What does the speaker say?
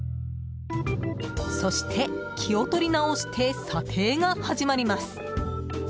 そして、気を取り直して査定が始まります。